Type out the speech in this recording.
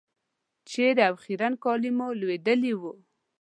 چېرې او خیرن کالي مو لوېدلي وو.